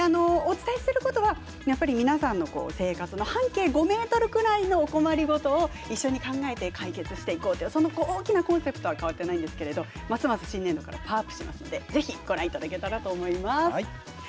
お伝えすることは、やっぱり皆さんの生活の半径５ｍぐらいのお困りごとを一緒に考えて解決していこうという大きなコンセプトは変わってないんですけどますます新年度からパワーアップしますのでご覧いただけたらと思います。